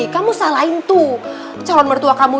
kamu salahin tuh calon mertua kamu